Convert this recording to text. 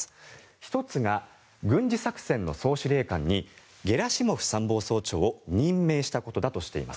１つが軍事作戦の総司令官にゲラシモフ参謀総長を任命したことだとしています。